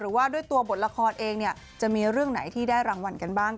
ว่าด้วยตัวบทละครเองเนี่ยจะมีเรื่องไหนที่ได้รางวัลกันบ้าง